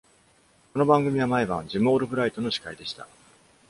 この番組は、毎晩ジム・オルブライトの司会でした。